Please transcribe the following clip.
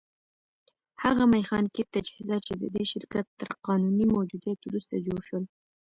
هغه ميخانيکي تجهيزات چې د دې شرکت تر قانوني موجوديت وروسته جوړ شول.